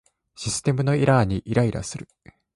システムのエラーにイライラする